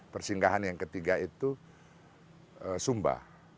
persinggahan yang ketiga itu sumba